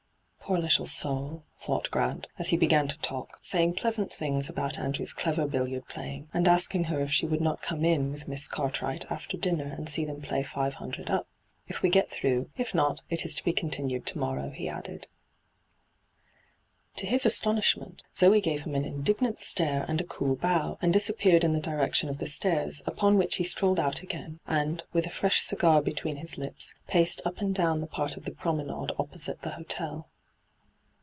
' Poor little soul I' thought Grant, as he began to talk, saying pleasant things about Andrew's clever billiard playing, and asking her if she would not come in with Miss Curt 10—2 nyt,, 6^hyG00glc 148 ENTRAPPED wright after dinner and see them play five hundred up. ' If we get through ; if not, it is to be continued to morrow,' he added. To his astonishment, Zoe gave him an indignant stare and a cool bow, and dis appeared in the direction of the stairs, upon which he strolled out again, and, with a firesh cigar between his lips, paced up and down the part of the Promenade opposite the hotel.